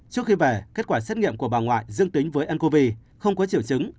trước khi về kết quả xét nghiệm của bà ngoại dương tính với ncov không có triệu chứng